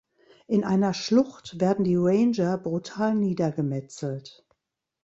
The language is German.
In einer Schlucht werden die Ranger brutal niedergemetzelt.